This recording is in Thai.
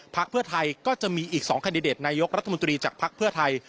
เพื่อไทยก็จะมีอีก๒แคนดิเดตนายกรัฐมนตรีจากภักดิ์เพื่อไทย